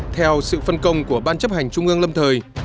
theo sự phân công của ban chấp hành trung ương lâm thời